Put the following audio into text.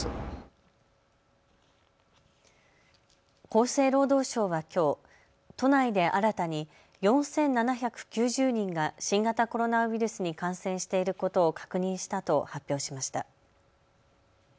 厚生労働省はきょう都内で新たに４７９０人が新型コロナウイルスに感染していることを確認したと発表しました。